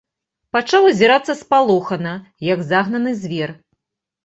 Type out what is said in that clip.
Пачаў азірацца спалохана, як загнаны звер.